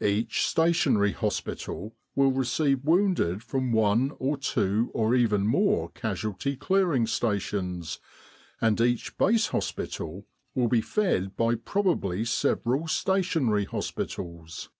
Each Stationary Hospital will receive wounded from one or two or even more Casualty Clearing Stations, and each Base Hospital will be fed by probably several Stationary Hospitals.